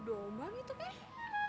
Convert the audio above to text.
aduh domba gitu kak